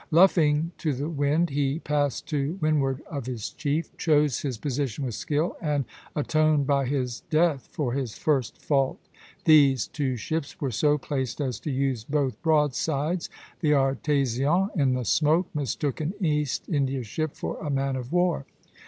Luffing to the wind, he passed to windward of his chief, chose his position with skill, and atoned by his death for his first fault. These two ships were so placed as to use both broadsides. The "Artésien," in the smoke, mistook an East India ship for a man of war.